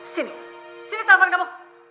sini sini telepon kamu